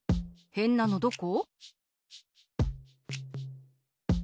へんなのどこ？